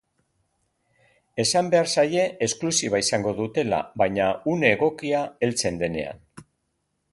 Esan behar zaie esklusiba izango dutela, baina une egokia heltzen denean.